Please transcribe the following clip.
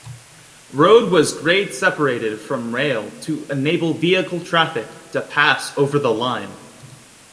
Road was grade-separated from rail to enable vehicle traffic to pass over the line.